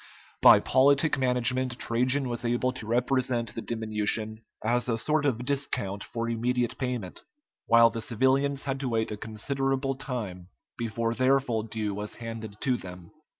By politic management Trajan was able to represent the diminution as a sort of discount for immediate payment, while the civilians had to wait a considerable time before their full due was handed to them.